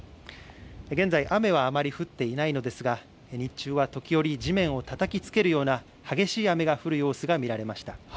現在、雨はあまり降っていないのですが日中は時折、地面をたたきつけるような激しい雨が降る様子が見られました。